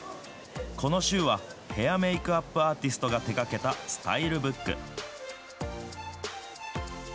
この週はヘアメイクアップアーティストが手がけたスタイルブック。